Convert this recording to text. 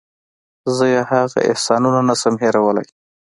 زه یې هغه احسانونه نشم هېرولی.